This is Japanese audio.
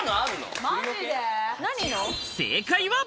正解は。